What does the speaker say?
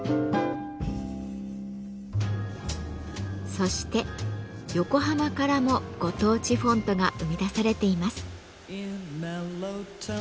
そして横浜からもご当地フォントが生み出されています。